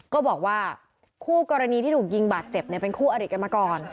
ก็บอกว่าคู่กรณีที่ถูกยิงบาดเจ็บเป็นคู่อริกันมาก่อน